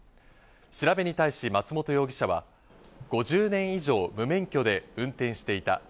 調べに対し、松本容疑者は５０年以上、無免許で運転していた。